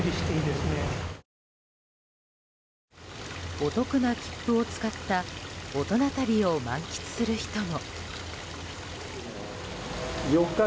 お得な切符を使った大人旅を満喫する人も。